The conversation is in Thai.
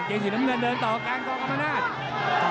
เจ๊สีน้ำเงินเดินต่อกลางกล่องกำลังหน้า